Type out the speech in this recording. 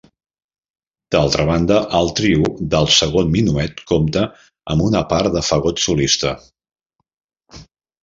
D'altra banda, el trio del segon minuet compta amb una part de fagot solista.